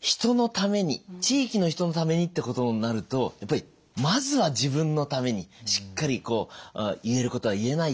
人のために地域の人のためにってことになるとやっぱりまずは自分のためにしっかり言えることは言えないと。